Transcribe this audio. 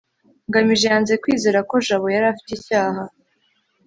ngamije yanze kwizera ko jabo yari afite icyaha